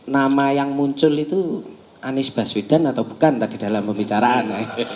nama yang muncul itu anies baswedan atau bukan tadi dalam pembicaraan